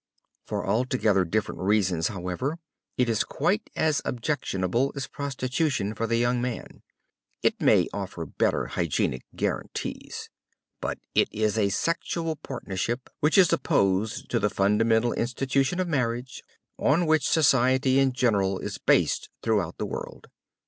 For altogether different reasons, however, it is quite as objectionable as prostitution for the young man. It may offer better hygienic guarantees. But it is a sexual partnership which is opposed to the fundamental institution of marriage, on which society in general is based throughout the world.